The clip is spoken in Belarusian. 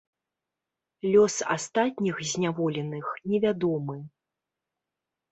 Лёс астатніх зняволеных невядомы.